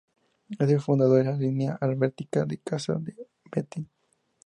Es el fundador de la línea albertina de la Casa de Wettin.